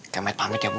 kemit pamit ya bu